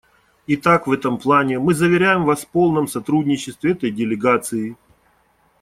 Итак, в этом плане мы заверяем Вас в полном сотрудничестве этой делегации.